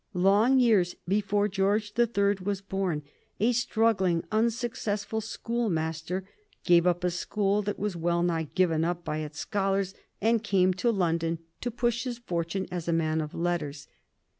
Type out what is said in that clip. Long years before George the Third was born, a struggling, unsuccessful schoolmaster gave up a school that was well nigh given up by its scholars and came to London to push his fortune as a man of letters.